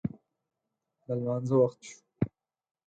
د لمانځه وخت شو